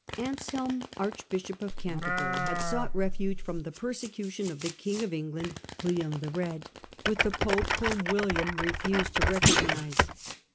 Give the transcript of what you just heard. Anselm, archbishop of Canterbury, had sought refuge from the persecution of the king of England, William the Red, with the pope, whom William refused to recognise.